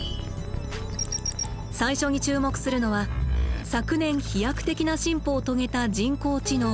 最初に注目するのは昨年飛躍的な進歩を遂げた人工知能ＡＩです。